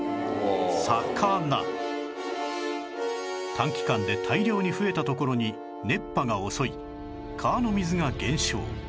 短期間で大量に増えたところに熱波が襲い川の水が減少